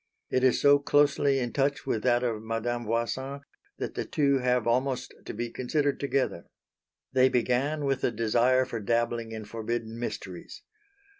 It is so closely in touch with that of Madame Voisin that the two have almost to be considered together. They began with the desire for dabbling in forbidden mysteries.